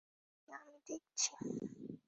চিন্তা নেই, আমি দেখছি।